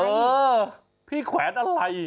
เออพี่แขวนอะไร